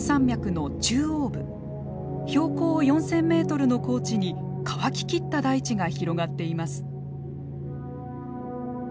標高４，０００メートルの高地に乾ききった大地が広がっています。